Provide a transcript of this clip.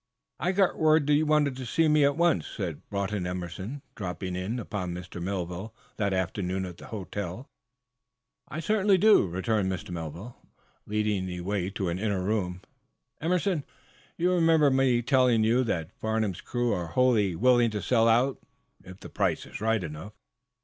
"I got word that you wanted to see me at once," said Broughton Emerson, dropping in upon Mr. Melville that afternoon at the hotel. "I certainly do," returned Mr. Melville, leading the way to an inner room. "Emerson, you remember my telling you that Farnum's crew are wholly willing to sell out their people if the price is big enough?"